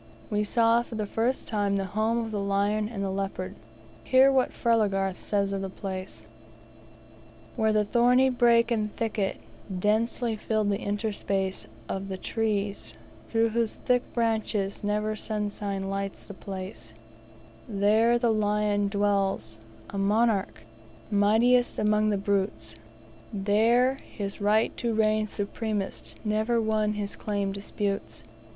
We saw for the first time the home of the lion and the leopard. Hear what Freiligrath says of the place: Where the thorny brake and thicket Densely fill the interspace Of the trees, through whose thick branches Never sunshine lights the place, There the lion dwells, a monarch, Mightiest among the brutes; There his right to reign supremest Never one his claim disputes.